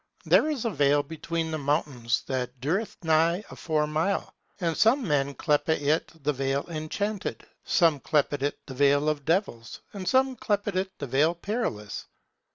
There is a vale between the mountains, that dureth nigh a four mile. And some men clepe it the Vale Enchanted, some clepe it the Vale of Devils, and some clepe it the Vale Perilous.